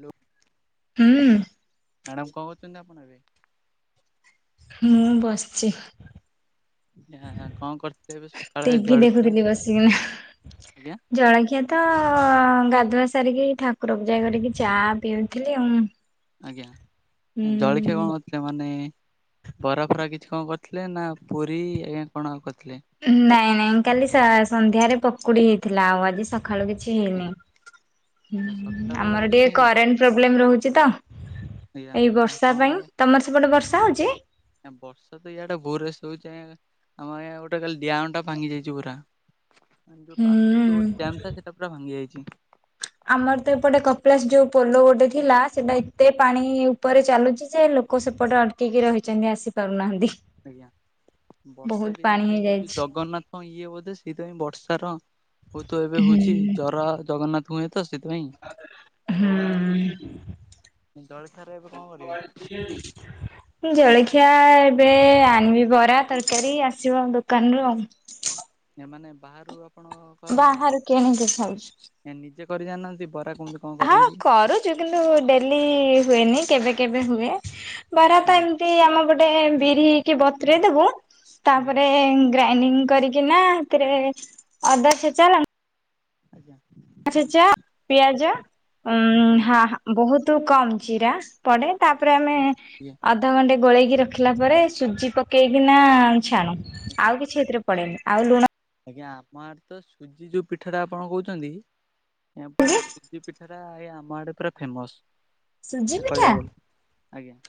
Hello ହୁଁ madam କଣ କରୁଛନ୍ତି ଆପଣ ଏବେ? ମୁଁ ବସିଛି। କଣ କରିଥିଲେ ଏବେ ସକାଳେ ଟିଭି ଜଳଖିଆ? ଦେଖୁଥିଲି ବସିକିନା ଆଜ୍ଞା ଜଳଖିଆ ତ ଗାଧୁଆ ସାରିକି ଠାକୁର ପୂଜା କରିକି ଚା ପିଉଥିଲି। ଆଜ୍ଞା ଜଳଖିଆ କଣ? ହୁଁ ତା ମାନେ ବରା ଫରା କିଛି କଣ କରିଥିଲେ ନା ପୁରୀ ଆଜ୍ଞା କଣ କରିଥିଲେ? ନାଇଁ ନାଇଁ କାଲି ସା ସନ୍ଧ୍ୟାରେ ପକୁଡି ହେଇଥିଲା ଆଉ ଆଜି ସକାଳୁ କିଛି ହେଇନି। ଆଜ୍ଞା ହୁଁ ସକାଳୁ ଆଉ ଆମର କିଛି ଟିକେ ହେଇନି? କରେଣ୍ଟ ପ୍ରୋବ୍ଲେମ ରହୁଛି ତ। ଆଜ୍ଞା ଏଇ ବର୍ଷା ହଁ ପାଇଁ ଆଜ୍ଞା ତମର ସେପଟେ ବର୍ଷା ହଉଛି? ବର୍ଷା ତ ଇାଟା ଭୋରେସ ହଉଛି ଆମ ଗୋଟେ କାଲି ଦାମ ଭାଙ୍ଗି ଯାଇଛି ପୁରା। ଆମ ଯୋଉ ପାଖ ହୁଁ ସେଟା ଦାମ ପୁରା ଭାଙ୍ଗି ଯାଇଛି। ଆମର ତ ଏପଟେ କପିଳାସ ଯୋଉ ପୋଲ ଗୋଟେ ଥିଲା ସେଟା ଏତେ ପାଣି ପରେ ଚାଲୁଛି ଯେ ଲୋକ ସେପଟେ ଅଟକିକି ରହିଛନ୍ତି ଆସି ପାରୁନାହାନ୍ତି। ଆଜ୍ଞା ବର୍ଷା ବହୁତ କି ପାଣି ଜାଣ ଏଇ ଯଉ ହେଇଯାଇଛି। ଜଗନ୍ନାଥ। ହଁ ଇଏ ବୋଧେ ସେଇଥିପାଇଁ ବର୍ଷାର ବୋଧେ ହଉଛି ହୁଁ। ଜର ଜଗନ୍ନାଥ ହୁଏ ତ ହୁଁ ସେଥିପାଇଁ ଜଳଖିଆରେ ଏବେ କଣ କରିବେ? ହୁଁ। ମୁଁ ଜଳଖିଆ ଏବେ ଆଣିବି ବରା ତରକାରୀ ଆସିବ ଆ ଦୋକାନରୁ ଆଉ। ଏ ମାନେ ବାହାରୁ ଆପଣ କରନ୍ତି? ବାହାରୁ କିଣିକି ଖାଉଚୁ। ନିଜେ କରି ଜାଣିନାହାନ୍ତି ବରା କୁ ହଁ କରୁଛୁ କିନ୍ତୁ ଡେଲି ହୁଏନି କେବେ କେବେ ହୁଏ। ବରା ତ ଆଜ୍ଞା ଏମିତି ଆମେ ପଟେ ବିରି କି ବତ୍ରୁ ଦେବୁ ଆଜ୍ଞା ତାପରେ ଗ୍ରାଇଡିଙ୍ଗ କରିକିନା ଏଥିରେ ଅଦା ଛେଚା ଆଜ୍ଞା। ଅଦା ଛେଚା ପିଆଜ ଉଁ ଆଜ୍ଞା ହଁ ହଁ। ବହୁତ କମ ଚିରା ପଡେ ତାପରେ ଆମେ ଆଜ୍ଞା ଅଦ୍ ଅଧ ଘଣ୍ଟେ ଗୋଳେଇକି ରଖିଲା ପରେ ସୁଜି ପକେଇକିନା ଛାଣୁ ଆଜ୍ଞା ଆଉ କିଛି ଏଥିରେ ପଡେନି ଆଉ ଲୁଣ। ଆଜ୍ଞା ଆପଣ ଆଡେ ତ ସୁଜି ଯୋଉ ପିଠାଟା ଆପଣ କହୁଛନ୍ତି। ଏଁ ପୁରା ସୁଜି ପିଠା। ପୁରା ଏ ଆମ ଆଡେ ପୁରା ଫେମସ୍ ସୁଜି କହିବାକୁ ଗଲେ ଆଜ୍ଞା।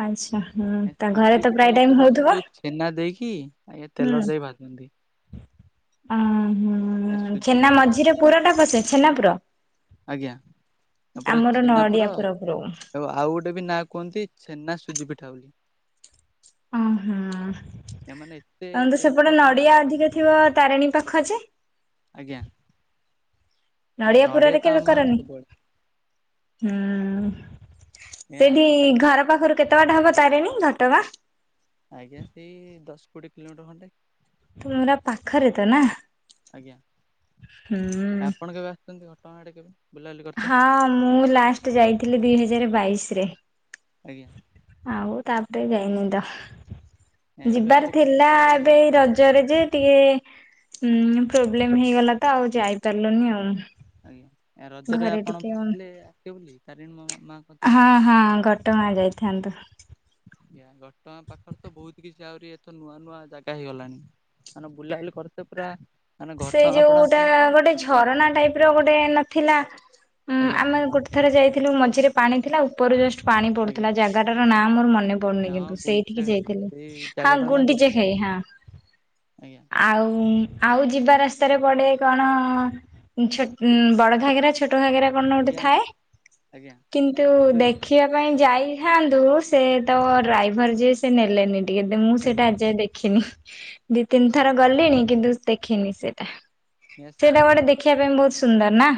ଆଛା ହୁଁ ତା ଘରେ ସୁଜି ତ ପିଠା ପ୍ରାୟ ଟାଇମ ଭିତରେ ଆଜ୍ଞା ହଉଥିବ। ଯୋଉ ଛେନା ଦେଇକି ଆଜ୍ଞା ତେଲରେ ଯାଇ ଭାଜନ୍ତି। ଓ ହଁ ସୁଜି ଛେନା ପିଠା ଫାଷ୍ଟ ମଝିରେ ପୁର ଟା ପସେ ଛେନା ପୁର। ଆଜ୍ଞା ତାପରେ ଆମର ନଡିଆ ଛେନାପୁର ପୁର ପୁରଉ ହେବ। ଆଉ ଗୋଟେ ବି ନାଁ କୁହନ୍ତି ଛେନା ସୁଜି ପିଠା ବୋଲି। ଉଁ ହୁଁ ଏମାନେ ଏତେ ଆନ୍ଦ ଟେଷ୍ଟ ସେପଟେ ଆପଣଙ୍କୁ ଲାଗିବ ନଡିଆ ଅଧିକେ। ଥିବ ତାରିଣୀ ପାଖ ଯେ। ଆଜ୍ଞା। ନଡ଼ିଆ ନଡିଆ ପୁରରେ ତ କେବେ ଆମ ଆଡେ କରନି। ସବୁବେଳେ ହୁଁ ଏ ସେଠି ଆଜି ତାମାନେ ଘର ପାଖରୁ କେ। କେତବାଟ ହବ ତାରେନି ଘଟଗାଁ। ଆଜ୍ଞା ସେଇ ଦଶ କୋଡିଏ କିଲୋମିଟର ଖଣ୍ଡେ। ପୁରା ପାଖରେ ତ ନା ଆଜ୍ଞା ହୁଁ। କେମିତି ଘଟଗାଁ ଆଡ଼େ କେବେ ବୁଲାବୁଲି କରିତେ ହଁ ମୁଁ ଲାଷ୍ଟେ ଯାଇଥିଲି ଦୁଇ ହଜାରେ ବାଇଶିରେ। ଆଜ୍ଞା। ଆଉ ତାପରେ ଯାଇନିତ ଏବେ ଯିବାର ଆଉ କୁଆଡେ ଥିଲା ବୁଲାବୁଲି ଏବେ ରଜ ରେଯେ ଟିକେ ପ୍ରୋବ୍ଲେମ୍ ହେଇଗଲା ତଆଉ ଯାଇପାରିଲୁନି ଆଉ। ଆଜ୍ଞା ଆ ରଜରେ ଘରେ ଆପଣ ଟିକେ ଭାରିଥିଲେ ଆସିବେ ବୋଲି ତାରିଣୀ ମାଁଙ୍କ ହଁ ହଁ ଘଟଗାଁ ଯାଇଥାନ୍ତୁ। ଆଜ୍ଞା ଘଟଗାଁ ପାଖରେତ ବହୁତ୍ କିଛି ଆହୁରି ଏଥର ନୂଆ ନୂଆ ଜାଗା ହେଇଗଲାଣି। ମାନେ ବୁଲାବୁଲି କରତେ ପୁରା ମାନେ ଘଟଗାଁ ଆପଣ ସେଯୋଉଟା ଆସୁଛନ୍ତି ମାନେ ଗୋଟେ ଝୁ ଝରଣା ଟାଇପର ଗୋଟେ ନଥିଲା ଉ ଆଜ୍ଞା ଆମେ ଗୋଟେ ଥରେ ଯାଇଥିଲୁ ମଝିରେ ପାଣି ଥିଲା ଉପରେ ଜଷ୍ଟ ପାଣି ଆଜ୍ଞା ପଡ଼ୁଥିଲା ଜାଗାଟାରନାଁ ମୋର ମନେ ପନି ହଁ କିନ୍ତୁ ଗୁଣ୍ଡିଚା ସେଇଠିକି ଘାଇ ଯାଇଥିଲି ସେଇ ହଁ ଜାଗାଟା ନା ଗୁଣ୍ଡିଚଖାଇ ହଁ। ଆଜ୍ଞା ଆଉ ଆଉ ଯିବା ରାସ୍ତାରେ ପଡ଼େ କଣ ଛୋ ବଡ଼ ଘାଗେରା ଛୋଟ ଘାଗେରା କଣ ଗୋଟେ ଆଜ୍ଞା ଆଜ୍ଞା ଥାଏ ଆଜ୍ଞା କିନ୍ତୁ ଦେଖି ଦେଖିବା ପାଇଁ ଯାଇଥାନ୍ତୁ ସେତ ଡ୍ରାଇଭର ଯିଏ ସେ ନେଲେନି। ଟିକେ ମୁଁ ସେଇଟା ଆଜ୍ଞା ଆଜିଜାଏ ଦେଖିନି ଦି ତିନି ଥର ଗଲିଣି କିନ୍ତୁ। ଦେଖିନି ସେଟା ଏ ସେଇଟା ସାନ ମାନେ ଦେଖିବା ଘାଗରା ବଡ ପାଇଁ ବହୁତ୍ ସୁନ୍ଦର ନାଁ।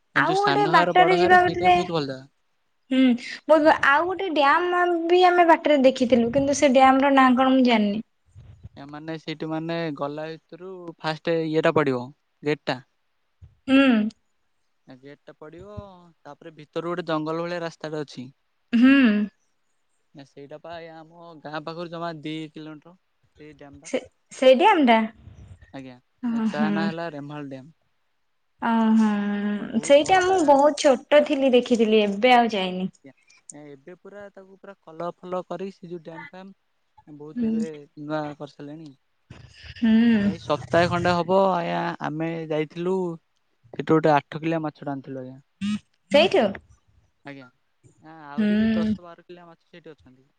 ଘାଗରା ଏ ଆଉ ଯୋଉ ସାନ ଗୋଟେ ଘାଗରା ବଡ ବାଟରେ ଘାଗରା ଯିବା ସେଇଟା ବି ବାଟରେ ବହୁତ ଭଲ ଜାଗା। ହୁଁ। ବ ଆଉ ଗୋଟେ ଡ୍ୟାମବି ଆମେ ବାଟରେ ଦେଖିଥିଲୁ କିନ୍ତୁ ସେ ଡ୍ୟାମର ନାଁ କଣ ମୁଁ ଜାଣିନି। ଏ ମାନେ ସେଇଠୁ ମାନେ ଗଲା ଭିତରୁ ଫାଷ୍ଟ ଇଏଟା ପଡ଼ିବ ଗେଟ୍ ଟା। ହୁଁ। ଆ ଗେଟ୍ଟା ପଡ଼ିବ ତାପରେ ଭିତରୁ ଗୋଟେ ଜଙ୍ଗଲ ଭଳିଆ ରାସ୍ତାଟା ଅଛି ହୁଁ। ନା ସେଇଟାପା ଆମ ଗାଁ ପାଖରୁ ଜମା ଦିଇ କିଲୋମିଟର୍ ସେଇ ଡ୍ୟମ୍ ଟା ସେ ସେଇ ଡ୍ୟାମ ଟା ଆଜ୍ଞା ହଁ ହଁ ତାନାଁ ହେଲା ରେମ୍ଭଲ ଡ୍ୟମ୍। ଓ ହଁ ବହୁତ ଭଲ ସେଇଟା ମୁଁ ଜାଗା। ବହୁତ୍ ଛୋଟ ଥିଲି ଦେଖିଥିଲି ଏବେ ଆଉ ଯାଇନି। ଆଜ୍ଞା ଏବେ ପୁରା ତାକୁ ପୁରା କଲର୍ ଫଲର୍ କରିକି ସେ ଯୋଉ ଡ୍ୟାମ୍ ଫ୍ୟାମ୍ ବହୁତ୍ ହୁଁ ଏବେ ନାଁ କରିସାରିଲେଣି? ହୁଁ। ଏଇ ସପ୍ତାହେ ଖଣ୍ଡେ ହବ ଆଜ୍ଞା ଆମେ ଯାଇଥିଲୁ ସେଠୁ ଗୋଟେ ଆଠ କିଲିଆ ମାଛଟେ ଆଣିଥିଲୁ ଆଜ୍ଞା। ସେଇଠୁ? ଆଜ୍ଞା ହୁଁ ଆହୁରିବି ଦଶ ବାର କିଲିଆ ମାଛ ସେଇଠି ଅଛନ୍ତି।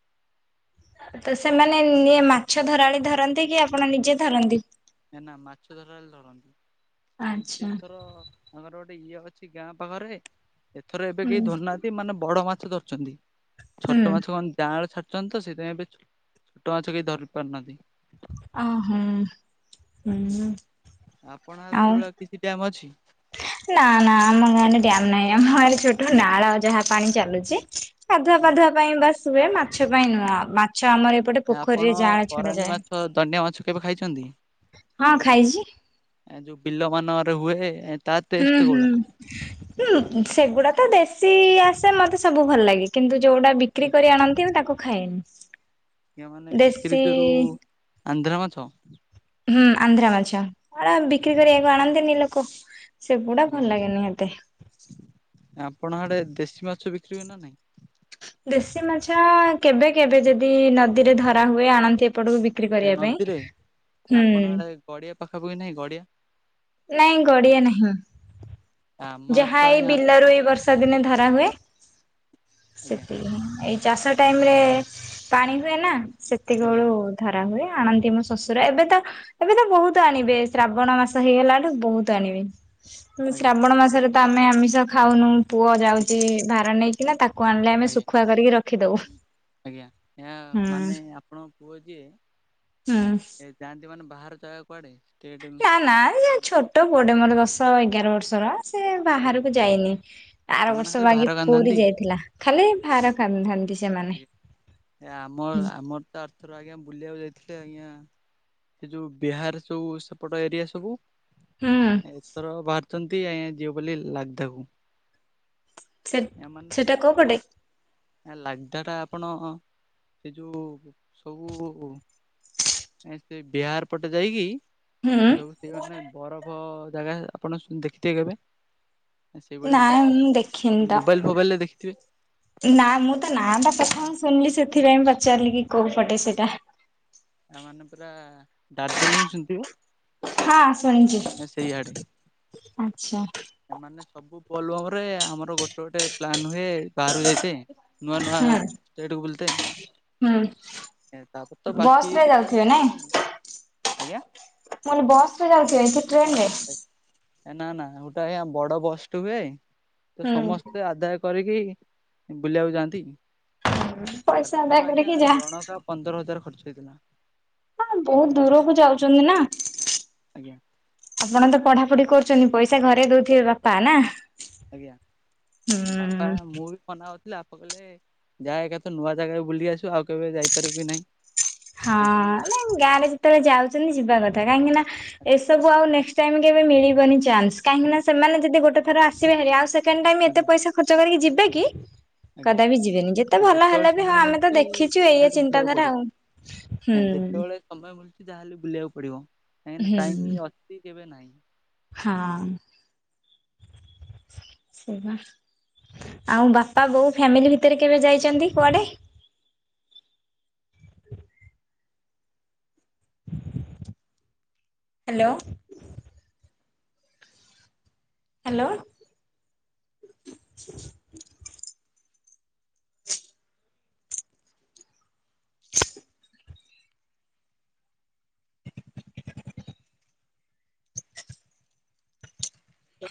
ତ ସେମାନେ ନିଏ ମାଛ ଧରାଳି ଧରନ୍ତିକି ଆପଣ ନିଜେ ଧରନ୍ତି? ନା ନା ମାଛ ଧରାଳି ଧରନ୍ତି ମାନେ ଆଚ୍ଛା ସେଏଥର ତାଙ୍କର ଗୋଟେ ଇଏ ଅଛି ଗାଁ ପାଖରେ ଏଥର ଏବେ ହୁଁ କେହି ଧରୁନାହାନ୍ତି ମାନେ ବଡ଼ ମାଛ ଧର ଛନ୍ତି ହୁଁ ଛୋଟ ମାଛ ମାନେ ଯାଁଆଳ ଛା ଅଛନ୍ତିତ ସେଥିପାଇଁ ଏବେ ଛୋଟ ମାଛ କେହି ଧରି ପାରୁନାହାନ୍ତି। ଆ ହୁଁ। ଆଜ୍ଞା ଆପଣ ଆଡ଼େ ଆଉ ସେଭଳିଆ କିଛି ଡ୍ୟାମ ଅଛି? ନା ନା ଆମ ଗାଁରେ ଡ଼୍ୟାମ ନାହିଁ ଆମ ଗାଁରେ ଛୋଟ ନାଳ ଯାହା ପାଣି ଚାଲୁଚି। ଗାଧୁଆ ଆଜ୍ଞା ପାଧୁଆ ପାଇଁ ବାସ୍ ହୁଏ ମାଛ ପାଇଁ ନୁହଁ ମାଛ ଆମର ଏପଟେ ଆପଣ ପୋଖରୀରେ ଯାଆଁଳ ଛଡ଼ା କରାଣ୍ଡି ଯାଏ। ମାଛ ଦଣ୍ଡିଆ ମାଛ କେବେ ଖାଇଛନ୍ତି? ହଁ ଖାଇଚି। ଏ ଯୋଉ ବିଲ ମାନରେ ହୁଏ ଏତା ହୁଁ ହୁଁ। ହୁଁ ସେଗୁଡା ତ ଦେଶୀ ଆସେ ମତେ ସବୁ ଭଲ ଲାଗେ କିନ୍ତୁ ଯୋଉଗୁଡା ବି ବିକ୍ରି କରି ଆଣନ୍ତି ମୁଁ ତାକୁ ଖାଏନି। ଆଜ୍ଞା ମାନେ ବିକ୍ରି ଦେଶୀ କରୁ ଆନ୍ଧ୍ରା ମାଛ। ହୁଁ ଆନ୍ଧ୍ରା ମାଛ [unintelligible] ବିକ୍ରି କରିବାକୁ ଆଣନ୍ତିନି ଲୋକ? ସେଗୁଡା ଆଜ୍ଞା ଭଲ ଲାଗେନି ମତେ। ଆପଣ ଆଡେ ଦେଶୀ ମାଛ ବିକ୍ରି ହୁଏ ନା ନାଇଁ? ଦେଶୀ ମାଛ କେବେ କେବେ ଯଦି ନଦୀରେ ଧରା ହୁଏ ଆଣନ୍ତି ଏପଟକୁ ବି ବିକ୍ରି କରିବା ପାଇଁ ହୁଁ। ଗଡ଼ିଆ ପାଖାପାଖୀ ନାହିଁ ଗଡ଼ିଆ? ନାଇଁ ଗଡିଆ ନାହିଁ। ଆମ ଆଡେ ଯାହା ତ ଏଇ ଆଜ୍ଞା ଆମର ବିଲରୁ ଏଇ ବର୍ଷା ଦିନେ ଧରା ହୁଏ ଆଜ୍ଞା ସେତିକି ଏ ଚାଷ ଟାଇମରେ ପାଣି ହୁଏ ନା ସେତିକି ଆଜ୍ଞା ବେଳୁ ଧରା ହୁଏ ଆଣନ୍ତି ମୋ ଶ୍ୱଶୁର ଏବେ ତ ଏବେ ତ ବହୁତ ଆଣିବେ ଶ୍ରାବଣ ମାସ ହେଇଗଲାଠୁ ବହୁତ ଆଣିବେ। ଆଜ୍ଞା ଶ୍ରାବଣ ମାସରେ ତ ଆମେ ଆମିଷ ଖାଉନୁ ପୁଅ ଯାଉଛି ଆଜ୍ଞା ଭାର ନେଇ। କିନା ତାକୁ ଆଣିଲେ ଆମେ ଶୁଖୁଆ କରିକି ରଖିଦବୁ। ଆଜ୍ଞା ଆଜ୍ଞା ମାନେ ଆପଣଙ୍କ ପୁଅ ଯିଏ ହଁ। ଏ ଯାଆନ୍ତି ମାନେ ବାହାର ଯାଗା କୁଆଡେ? ଷ୍ଟେଟ ନା ନା ଇଏ ଛୋଟ ପୁଅଟେ ମୋର ଦଶ ଏଗାର ବର୍ଷର। ସେ ଆଜ୍ଞା ବାହାରକୁ ଯାଇନି ଆର ଏମାନେ ବର୍ଷ ଖାଲି ବାଗି ଭାର ପୁରୀ କାନ୍ଧାନ୍ତି। ଯାଇଥିଲା। ଖାଲି ଭାର କାନ୍ଧାନ୍ତି ସେମା ଏ ଆମ ଆମର ତ ଆରଥର ଆଜ୍ଞା ବୁଲିବାକୁ ଯାଇଥିଲେ ଆଜ୍ଞା ସେ ଯୋଉ ବିହାର ସୋଉ ସେପଟ ଏରିଆ ସବୁ। ହୁଁ ଏଥରକ ବାହାରିଛନ୍ତି ଆଜ୍ଞା ଯିବେ ବୋଲି ଲାଗଧାକୁ। ସେ ସେଟା କୋଉ ପଟେ? ଏ ଲାଗଧା ଟା ଆପଣ ସେ ଯୋଉ ସବୁ ଏ ସେ ବିହାର ପଟେ ଯାଇକି ହୁଁ ଏସବୁ ସେ ମାନେ ବରଫ ଜାଗା ଆପଣ ଶୁ ଦେଖିଥିବେ କେବେ? ସେଇଭଳିଆ ନାଇଁ ମୁଁ ଦେଖିନି ଆଉ ତ। ମୋବାଇଲ୍ ଫୋବାଇଲରେ ଦେଖିଥିବେ? ନା ମୁଁ ତା ନାଁ ଟା ପ୍ରଥମ ଶୁଣିଲି ସେଥିପାଇଁ ପଚାରିଲି କି କୋଉ ପଟେ ସେଇଟା। ଆ ମାନେ ପୁରା ଦାର୍ଜିଲିଂ ଶୁଣିଥିବେ? ହଁ ଶୁଣିଛି ସେଇଆଡେ ଆଛା। ଏମାନେ ସବୁ ବୋଲଵମ ରେ ଆମର ଗୋଟେ ଗୋଟେ ପ୍ଲାନ ହୁଏ। ବାହାରାରୁ ଯାଇତେ ନୂଆ ନୂଆ ଷ୍ଟେଟକୁ ବୁଲିତେ। ହଁ। ତାପରେ ତ ବାକି କେତେବେଳେ ଯାଇ ହୁଏନି ଆଜ୍ଞା। ମୁଁ କହିଲି ବସ ରେ ଯାଉଛ କି ଟ୍ରେନରେ? ଏ ନା ନା ଗୋଟାଏ ବଡ ବସଟେ ହୁଏ ତ ହୁଁ ସମସ୍ତେ ଆଦାୟ କରିକି ବୁଲିବାକୁ ଯାଆନ୍ତି ପଇସା ଆଦାୟ ଏଥର ଆଜ୍ଞା କରିକି ଯା ଜଣକା ପନ୍ଦର ହଜାର ଖର୍ଚ୍ଚ ହେଇଥିଲା। ହଁ ବହୁତ ଦୂରକୁ ଯାଉଛନ୍ତି ନା। ଆଜ୍ଞା। ଆପଣ ତ ପଢାପଢି କରୁଛନ୍ତି ପଇସା ଘରେ ଦଉଥିବେ ବାପା ନା? ଆଜ୍ଞା ବାପା ହୁଁ। ମୁଁ ବି ମନା କ ଲାପା କହିଲେ ଯା ଏକାଥ ନୂଆ ଜାଗାରେ ବୁଲି ଆସିବୁ ଆଉ କେବେ ଯାଇପାରିବୁ କି ନାଇ? ହଁ ନାଇ ଗାଁ ରେ ଯେତେବେଳେ ଯାଉଛନ୍ତି ଯିବା କଥା କାହିଁକି ନା ଏସବୁ ଆଉ ନେକ୍ସଟ୍ ଟାଇମ କେବେ ମିଳିବନି ଚାନ୍ସ। କାହିଁକି ନା ଆଜ୍ଞା ସେମାନେ ଯଦି ଗୋଟେ ଥର ଆସିବେ ହେରି ଆଉ ସେେଣ୍ଡ ଟାଇମ ଏତେ ଆଜ୍ଞା ପଇସା ଖର୍ଚ କରିକି ଯିବେ କି? ଆଜ୍ଞା। କଦାପି ଯିବେନି ଯେତେ ଭଲ ଯେତେବେଳେ ହେଲେ ବି ହଁ ସମୟ ଆମେ ତ ଦେଖିଛୁ ଏୟା ଚିନ୍ତାଧାରା ଆଉ। ହୁଁ। ଏ ଯେତେବେଳେ ସମୟ ମିଳୁଛି ଯାହା ହେଲେ ବୁଲିବାକୁ ପଡିବ କାହିଁକି ନା ହୁଁ ଟାଇମ ଅ କି କେବେ ନାଇ ହଁ। ଉଁ ହୁଁ ଆଉ ବାପା ବୋଉ ଫ୍ୟାମିଲି ଭିତରେ କେବେ ଯାଇଛନ୍ତି କୁଆଡେ? ହ୍ୟାଲୋ। ହ୍ୟାଲୋ।